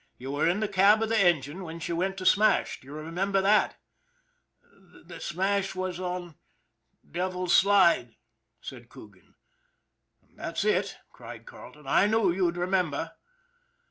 You were in the cab of the engine when she went to smash. Do you remember that ?"" The smash was on the Devil's Slide," said Coogan. " That's it," cried Carleton. " I knew you'd remem ber."